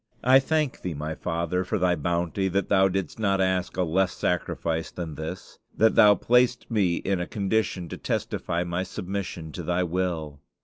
I thank Thee, my Father, for Thy bounty; that Thou didst not ask a less sacrifice than this; that Thou placedst me in a condition to testify my submission to Thy will!